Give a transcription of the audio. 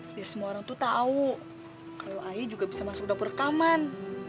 biar semua orang tuh tahu kalau ayah juga bisa masuk dapur rekaman